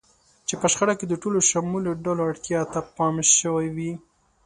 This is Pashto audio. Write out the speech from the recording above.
چې په شخړه کې د ټولو شاملو ډلو اړتیا ته پام شوی وي.